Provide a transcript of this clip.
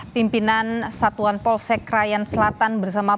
pimpinan satuan polsek raya